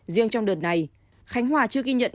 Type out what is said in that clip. riêng trong đợt này khánh hòa chưa ghi nhận